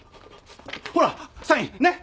ほらサイン。